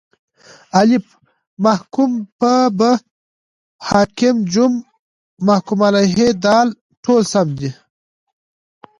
الف: محکوم به ب: حاکم ج: محکوم علیه د: ټوله سم دي